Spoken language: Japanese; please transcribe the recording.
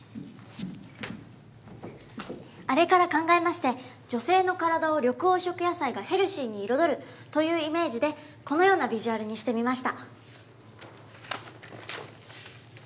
あれから考えまして女性の体を緑黄色野菜がヘルシーに彩るというイメージでこのようなビジュアルにしてみました。